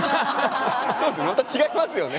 また違いますよね。